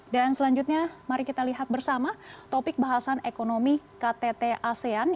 dan selanjutnya mari kita lihat bersama topik bahasan ekonomi ktt asean